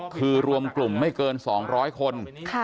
คือรวมกลุ่มไม่เกิน๒๐๐คน